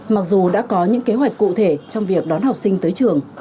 mặc dù đã có những kế hoạch cụ thể trong việc đón học sinh tới trường